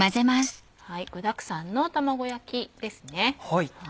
具だくさんの卵焼きです。